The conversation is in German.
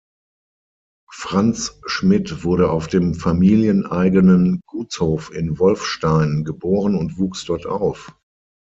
Franz Schmitt wurde auf dem familieneigenen Gutshof in Wolfstein geboren und wuchs dort auf.